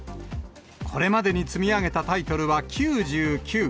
これまでに積み上げたタイトルは９９。